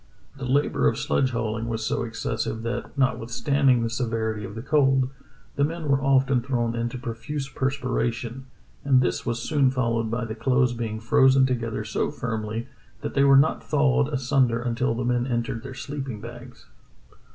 The labor of sledge hauling was so excessive that, notwithstanding the severity of the cold, the men were often thrown into profuse perspira tion, and this was soon followed by the clothes being frozen together so firmly that they were not thawed asunder until the men entered their sleeping bags."